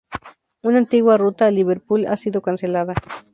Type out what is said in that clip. Una antigua ruta a Liverpool ha sido cancelada.